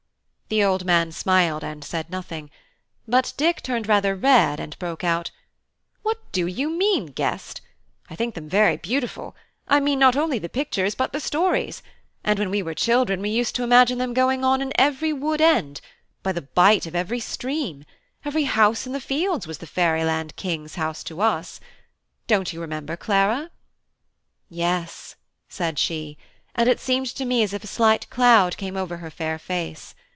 The old man smiled, and said nothing; but Dick turned rather red, and broke out: "What do you mean, guest? I think them very beautiful, I mean not only the pictures, but the stories; and when we were children we used to imagine them going on in every wood end, by the bight of every stream: every house in the fields was the Fairyland King's House to us. Don't you remember, Clara?" "Yes," she said; and it seemed to me as if a slight cloud came over her fair face.